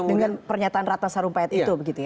dengan pernyataan ratna sarumpayat itu